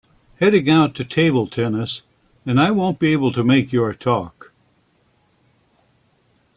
Heading out to table tennis and I won’t be able to make your talk.